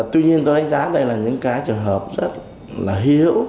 tuy nhiên tôi đánh giá đây là những cái trường hợp rất là hiểu